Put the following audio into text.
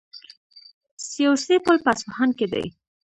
سي او سه پل په اصفهان کې دی.